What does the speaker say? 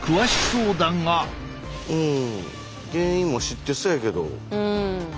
うん原因も知ってそうやけど。